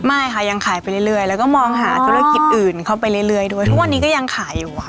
ไม่ค่ะยังขายไปเรื่อยแล้วก็มองหาธุรกิจอื่นเข้าไปเรื่อยด้วยทุกวันนี้ก็ยังขายอยู่ค่ะ